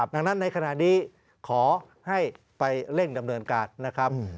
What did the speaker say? ดังนั้นในขณะนี้ขอให้ไปเร่งดำเนินการนะครับ